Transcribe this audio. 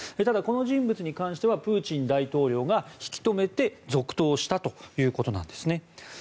ただこの人物に関してはプーチン大統領が引き留めて続投したということなんですね。